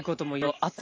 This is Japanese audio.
あっ⁉